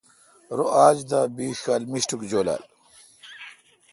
رو اج دا بیش کال مݭٹک جولال۔